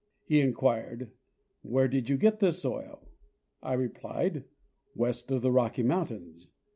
He inquired, " Where did you get this soil?" I replied, " West of the Rocky mountains."